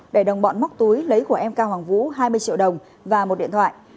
để đồng bọn móc túi lấy của em cao hoàng vũ hai mươi triệu đồng và một điện thoại